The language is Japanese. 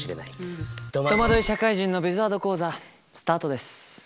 「とまどい社会人のビズワード講座」スタートです。